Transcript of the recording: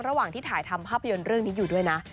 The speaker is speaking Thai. ระหว่างที่ถ่ายทำภาพยนตร์เรื่องนี้อยู่ด้วยนะ